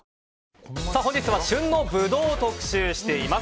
本日は旬のブドウを特集しています。